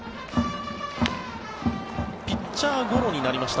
ピッチャーゴロになりました。